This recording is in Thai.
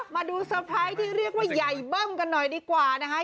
มาดูเตอร์ไพรส์ที่เรียกว่าใหญ่เบิ้มกันหน่อยดีกว่านะคะ